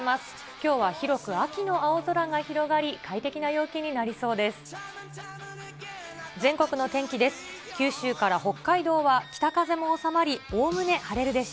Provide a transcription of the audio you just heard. きょうは広く秋の青空が広がり、快適な陽気になりそうです。